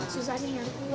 susahnya nyari keluar